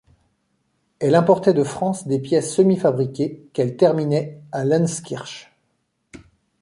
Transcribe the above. Elle importait de France des pièces semi fabriquées, qu’elle terminait à Lenzkirch.